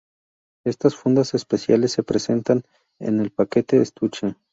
Estas fundas especiales se presentan en el paquete estuche.